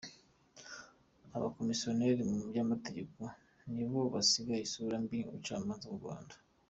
Abakomisiyoneri mu by’amategeko nib o basiga isura mbi ubucamanza bw’u Rwanda.